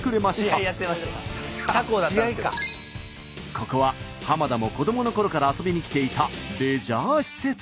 ここは田も子どものころから遊びに来ていたレジャー施設。